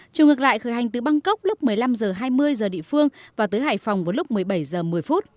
chiều ngược lại khởi hành từ bangkok lúc một mươi năm h hai mươi giờ địa phương và tới hải phòng vào lúc một mươi bảy h một mươi